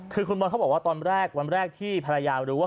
คือคุณบอลเขาบอกว่าตอนแรกวันแรกที่ภรรยารู้ว่า